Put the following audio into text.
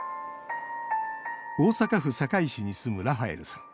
大阪府堺市に住むラファエルさん